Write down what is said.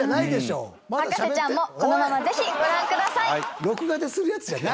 『博士ちゃん』もこのままぜひご覧ください！